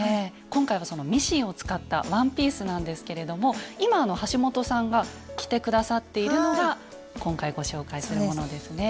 今回はそのミシンを使ったワンピースなんですけれども今橋本さんが着て下さっているのが今回ご紹介するものですね。